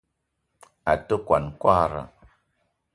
A te kwuan kwagra.